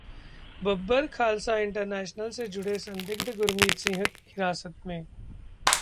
Babbar Khalsa International से जुड़े संदिग्ध गुरमीत सिंह हिरासत में